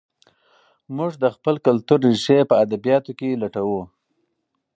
موږ د خپل کلتور ریښې په ادبیاتو کې لټوو.